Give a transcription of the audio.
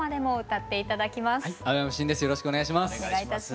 よろしくお願いします。